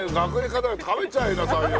食べちゃいなさいよ。